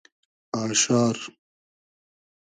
آشار